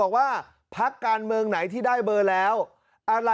อันนี้จะต้องจับเบอร์เพื่อที่จะแข่งกันแล้วคุณละครับ